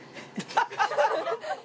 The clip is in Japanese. ハハハハ！